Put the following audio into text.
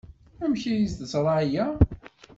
Amek ay teẓra aya?